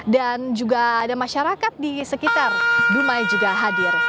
dan juga ada masyarakat di sekitar dumai juga hadir